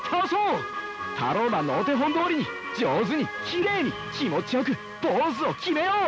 タローマンのお手本どおりに上手にきれいに気持ちよくポーズを決めよう！